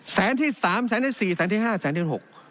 แสนที่๓แสนที่๔แสนที่๕แสนที่๖